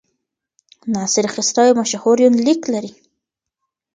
ناصر خسرو یو مشهور یونلیک لري.